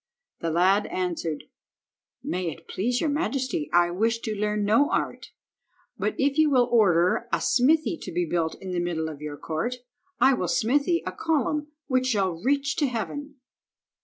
The lad answered— "May it please your majesty, I wish to learn no art, but if you will order a smithy to be built in the middle of your court, I will smithy a column which shall reach to heaven."